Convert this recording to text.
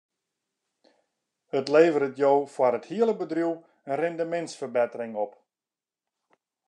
It leveret jo foar it hiele bedriuw in rindemintsferbettering op.